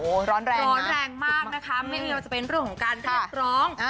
ร้อนแรงร้อนแรงมากนะคะไม่ว่าจะเป็นเรื่องของการเรียกร้อง